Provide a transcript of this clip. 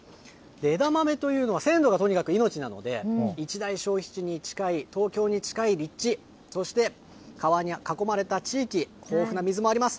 枝豆というのは鮮度がとにかく命なので、一大消費地に近い、東京に近い立地、そして川に囲まれた地域、豊富な水もあります。